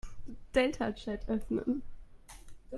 Deltachat öffnen.